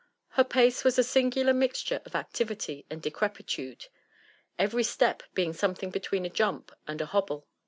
Her pace was a singular mixture of activity and decrepitude, every step being something between a jump and a hobble.